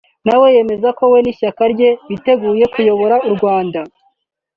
nawe yemeza ko we n’ishyaka rye biteguye kuyobora u Rwanda